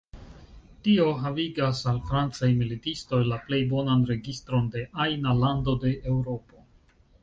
Tio havigas al francaj militistoj la plej bonan registron de ajna lando de Eŭropo".